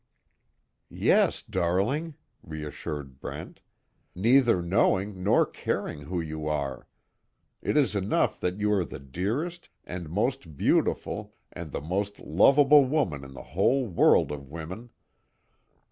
"Yes, darling," reassured Brent, "Neither knowing nor caring who you are. It is enough that you are the dearest, and most beautiful, and the most lovable woman in the whole world of women.